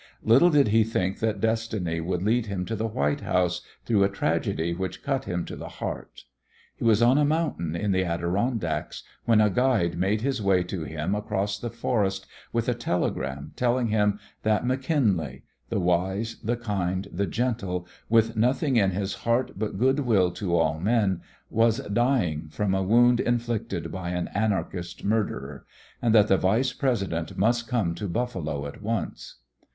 Little did he think that destiny would lead him to the White House through a tragedy which cut him to the heart. He was on a mountain in the Adirondacks when a guide made his way to him across the forest with a telegram telling him that McKinley, the wise, the kind, the gentle, with nothing in his heart but good will to all men, was dying from a wound inflicted by an anarchist murderer, and that the Vice President must come to Buffalo at once.